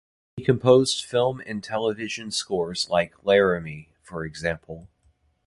He composed film and television scores like "Laramie" for example.